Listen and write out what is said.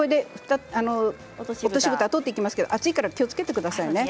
落としぶたを取っていきますけど熱いから気をつけてくださいね。